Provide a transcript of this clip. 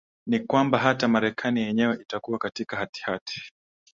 ni kwamba hata marekani yenyewe itakuwa katika hatihati